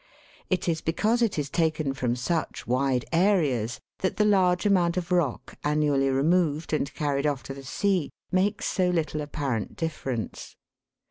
It is because it is taken from such wide areas that the large amount of rock annually removed and carried off to the sea makes so little apparent difference.